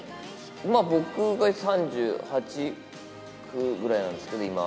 まあ、僕が３８、９ぐらいなんですけど、今。